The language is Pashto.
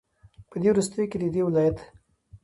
په دې وروستيو كې ددې ولايت